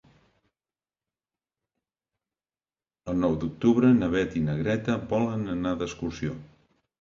El nou d'octubre na Beth i na Greta volen anar d'excursió.